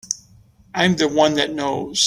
I'm the one that knows.